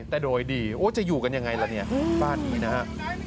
แต่โดยดีโอ้จะอยู่กันยังไงล่ะเนี่ยบ้านนี้นะฮะ